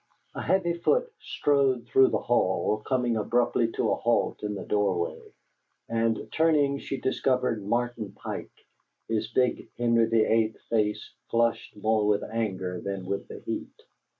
A heavy foot strode through the hall, coming abruptly to a halt in the doorway, and turning, she discovered Martin Pike, his big Henry the Eighth face flushed more with anger than with the heat.